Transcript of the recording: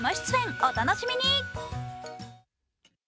お楽しみに！